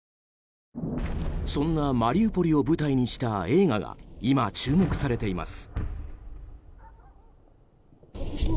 そんなマリウポリを舞台にした映画が今注目されています。